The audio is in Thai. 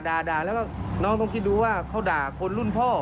แล้วก็น้องก้นต้องทิ้งดูว่าเขาด่าคนรุ่นพ่อ